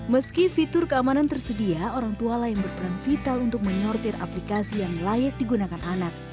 meski fitur keamanan tersedia orang tua lah yang berperan vital untuk menyortir aplikasi yang layak digunakan anak